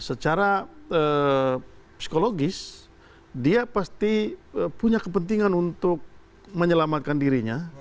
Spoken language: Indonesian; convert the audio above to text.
secara psikologis dia pasti punya kepentingan untuk menyelamatkan dirinya